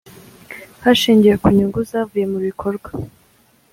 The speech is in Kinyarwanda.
hashingiwe ku nyungu zavuye mu bikorwa